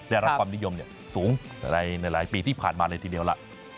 ได้รับความนิยมสูงในหลายปีที่ผ่านมาเลยทีเดียวล่ะ